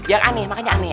sini biar aneh makanya aneh